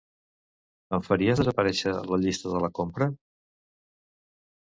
Em faries desaparèixer la llista de la compra?